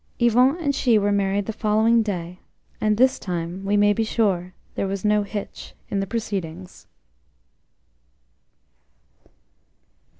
Yvon and she were married the following day, and this time, we may be sure, there was no hitch in the proceedings.